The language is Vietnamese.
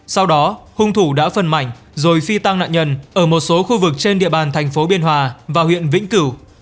sau đó hung thủ đã phần mảnh rồi phi tăng nạn nhân ở một số khu vực trên địa bàn thành phố biên hòa và huyện vĩnh cửu